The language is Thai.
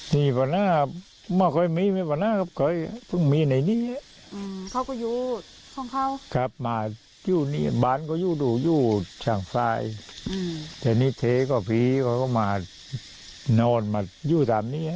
อยู่ตามนี้มาภักด์ป้นนั่นแล้วไม่มีใครอยู่ตรงนี้